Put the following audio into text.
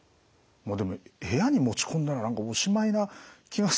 でも部屋に持ち込んだらおしまいな気がするんですよね。